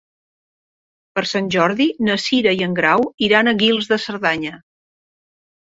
Per Sant Jordi na Cira i en Grau iran a Guils de Cerdanya.